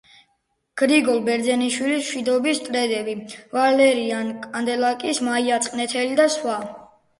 გრიგოლ ბერძენიშვილის „მშვიდობის მტრედები“, ვალერიან კანდელაკის „მაია წყნეთელი“ და სხვა.